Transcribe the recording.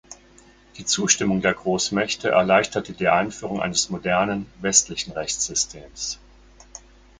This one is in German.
Die Zustimmung der Großmächte erleichterte die Einführung eines modernen westlichen Rechtssystems.